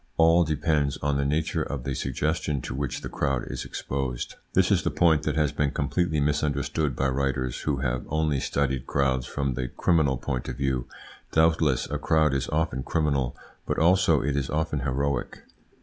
All depends on the nature of the suggestion to which the crowd is exposed. This is the point that has been completely misunderstood by writers who have only studied crowds from the criminal point of view. Doubtless a crowd is often criminal, but also it is often heroic.